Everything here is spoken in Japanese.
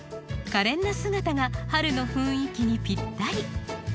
かれんな姿が春の雰囲気にぴったり。